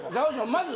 まず。